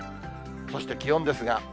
そして、気温ですが。